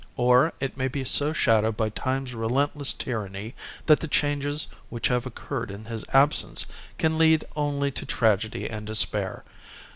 Or it may be so shadowed by Time's relentless tyranny that the changes which have occurred in his absence can lead only to tragedy and despair.